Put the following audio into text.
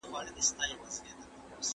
په منډه ولاړه ویل ابتر یې